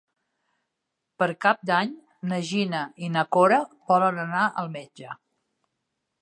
Per Cap d'Any na Gina i na Cora volen anar al metge.